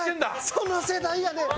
その世代やねん！